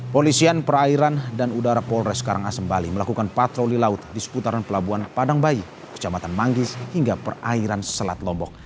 polisian perairan dan udara polres karangasembali melakukan patroli laut di seputaran pelabuhan padang bayi kecamatan manggis hingga perairan selat lombok